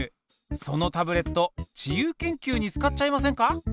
そのタブレット自由研究に使っちゃいませんか？